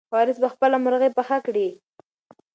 وارث به خپله مرغۍ پخه کړي.